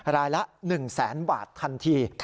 รายละ๑๐๐๐๐๐บาททันที